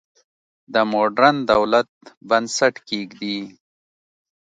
د موډرن دولت بنسټ کېږدي.